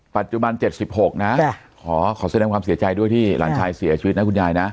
ปัจจุบัน๗๖นะขอแสดงความเสียใจด้วยที่หลานชายเสียชีวิตนะคุณยายนะ